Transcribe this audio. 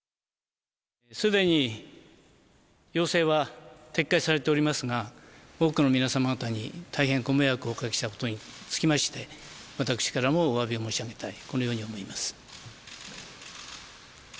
すでに要請は撤回されておりますが、多くの皆様方に大変ご迷惑をおかけしたことにつきまして、私からもおわびを申し上げたい、このように思います。